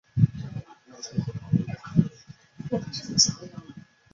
其官至北京都指挥使。